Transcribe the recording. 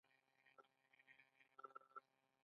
هغه هم د یوې چاودنې له امله ووژل شو.